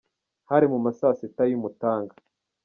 "Hari mu ma saa sita y'umutaga".